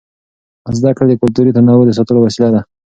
زده کړه د کلتوري تنوع د ساتلو وسیله ده.